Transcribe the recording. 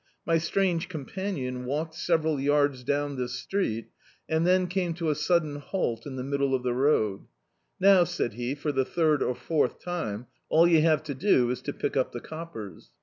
My strange companion walked sev D,i.,.db, Google The Autobiography of a Super Tramp eral yards down this street, and then came to a sudden halt in the middle of the road. "Now," said he, for the third or fourth time, "all you have to do is to pick up the coppers.